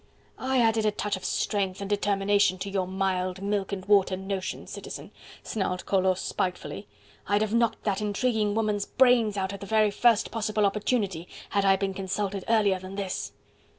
"I added a touch of strength and determination to your mild milk and water notions, Citizen," snarled Collot spitefully. "I'd have knocked that intriguing woman's brains out at the very first possible opportunity, had I been consulted earlier than this."